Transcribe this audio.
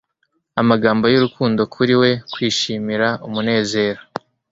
Amagambo y'urukundo Kuri We kwishimira umunezero